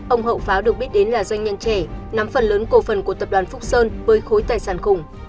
ông hậu pháo được biết đến là doanh nhân trẻ nắm phần lớn cổ phần của tập đoàn phúc sơn với khối tài sản khủng